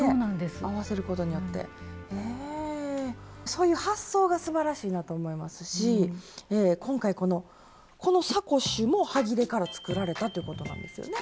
そういう発想がすばらしいなと思いますし今回このこのサコッシュもはぎれから作られたということなんですよね？